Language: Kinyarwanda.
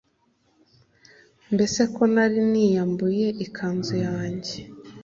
Mbese ko nari niyambuye ikanzu yanjye,